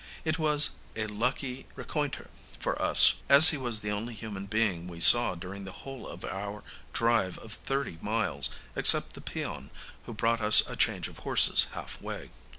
It was a lucky rencontre for us, as he was the only human being we saw during the whole of our drive of thirty miles, except the peon who brought us a change of horses, half way.